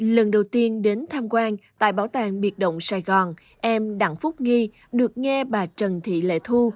lần đầu tiên đến tham quan tại bảo tàng biệt động sài gòn em đặng phúc nghi được nghe bà trần thị lệ thu